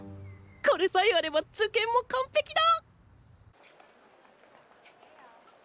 これさえあれば受験もかんぺきだ！